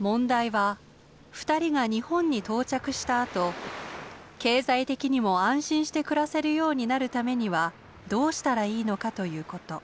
問題は二人が日本に到着したあと経済的にも安心して暮らせるようになるためにはどうしたらいいのかということ。